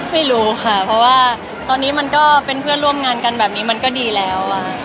ไม่รู้ค่ะเพราะว่าตอนนี้มันก็เป็นเพื่อนร่วมงานกันแบบนี้มันก็ดีแล้ว